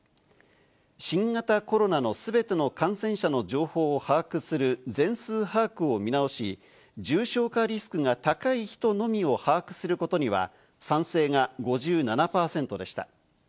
新型コロナの全ての感染者の情報を把握する全数把握を見直し、重症化リスクが高い人のみを把握することには、賛成が５７％でした。